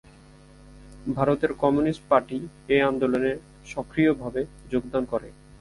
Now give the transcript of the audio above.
ভারতের communist party এ আন্দোলনে সক্রিয় ভাবে যোগদান করে।